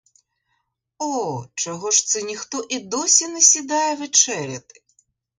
О, чого ж це ніхто і досі не сідає вечеряти?